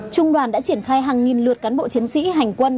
trung đoàn đã triển khai hàng nghìn lượt cán bộ chiến sĩ hành quân